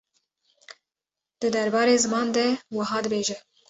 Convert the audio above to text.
di derbarê ziman de wiha dibêje.